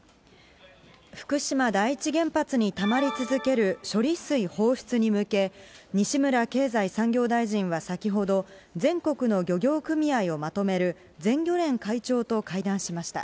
福島第一原発にたまり続ける処理水放出に向け、西村経済産業大臣は先ほど、全国の漁業組合をまとめる全漁連会長と会談しました。